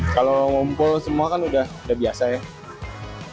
kalau ngumpul semua kan udah biasa ya